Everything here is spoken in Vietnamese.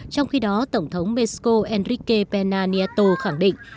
trong khi đó tổng thống mexico enrique pena nieto khẳng định